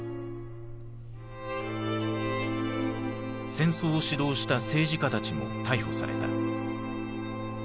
戦争を指導した政治家たちも逮捕された。